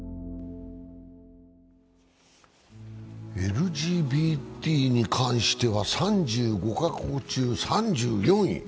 ＬＧＢＴに関しては３５か国中３４位。